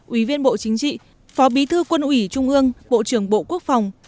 ủy viên bộ chính trị phó bí thư quân ủy trung ương bộ trưởng bộ quốc phòng